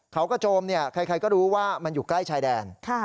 เขากระโจมใครก็รู้ว่ามันอยู่ใกล้ชายแดน